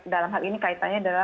dalam hal ini kaitannya